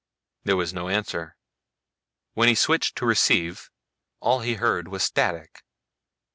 There was no answer. When he switched to receive all he heard was static.